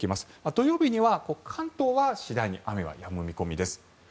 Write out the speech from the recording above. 土曜日には関東は次第に雨はやむ見込みです。